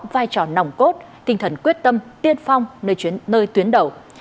vai trò nòng cốt tinh thần quyết tâm tiên phong nơi tuyến đầu